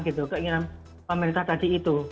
keinginan pemerintah tadi itu